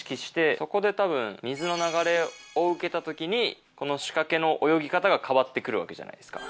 そこでたぶん水の流れを受けた時にこの仕掛けの泳ぎ方が変わって来るわけじゃないですか。